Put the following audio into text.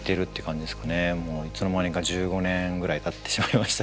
もういつの間にか１５年ぐらいたってしまいましたけど。